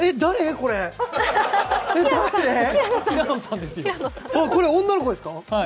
この女の子ですか。